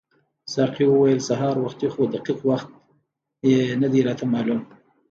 ساقي وویل سهار وختي خو دقیق وخت یې نه دی راته معلوم.